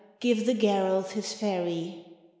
Give the Garalth his ferry !